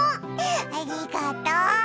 ありがとう。